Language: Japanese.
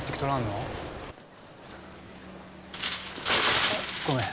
あっごめん